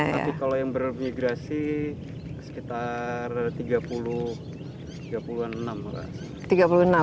tapi kalau yang bermigrasi sekitar tiga puluh an enam